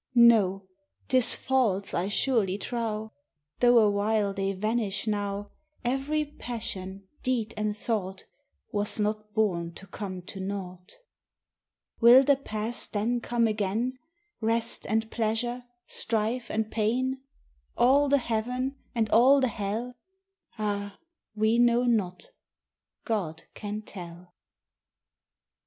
No 't is false, I surely trow; Though awhile they vanish now; Every passion, deed, and thought Was not born to come to nought! Will the past then come again, Rest and pleasure, strife and pain, All the heaven and all the hell? Ah, we know not: God can tell.